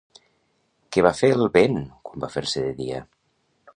Què va fer el vent quan va fer-se de dia?